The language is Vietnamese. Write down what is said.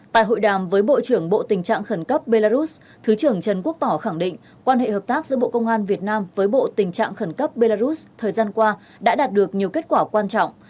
tại hội đàm với bộ trưởng bộ tình trạng khẩn cấp belarus thứ trưởng trần quốc tỏ khẳng định quan hệ hợp tác giữa bộ công an việt nam với bộ tình trạng khẩn cấp belarus thời gian qua đã đạt được nhiều kết quả quan trọng